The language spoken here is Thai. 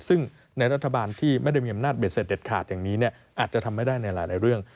ซึ่งในรัฐบาลที่ไม่ได้มีอำนาจเด็ดเสร็จเด็ดขาดอย่างนี้อาจจะทำไม่ได้ในหลายเรื่อง